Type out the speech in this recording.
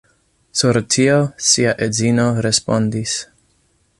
Sur tio, sia edzino respondis.